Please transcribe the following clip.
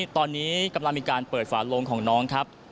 ตอนนี้กำลังมีการเปิดฝาโลงของน้องครับ